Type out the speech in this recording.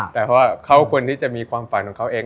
แต่ว่าเขาควรที่จะมีความฝันของเขาเอง